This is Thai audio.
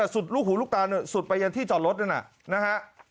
สุดลูกหูลูกตาสุดไปยังที่จอดรถนั่นน่ะนะฮะ